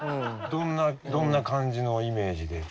どんなどんな感じのイメージで？